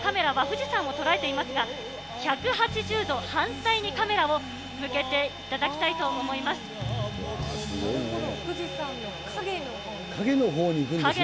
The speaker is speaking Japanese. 今、ヘリコプターのカメラは富士山を捉えていますが、１８０度反対にカメラを向けていただきたい富士山の影。